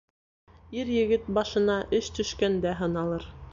Ир-егет башына эш төшкәндә һыналыр.